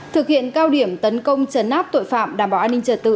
thực hiện cao điểm tấn công trấn áp tội phạm đảm bảo an ninh trợ tự